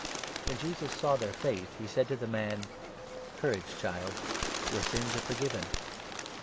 When Jesus saw their faith, he said to the man :" Courage, Child ! your sins are forgiven."